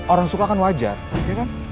orang suka kan wajar ya kan